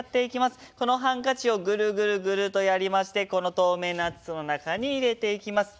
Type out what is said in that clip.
このハンカチをぐるぐるぐるとやりましてこの透明な筒の中に入れていきます。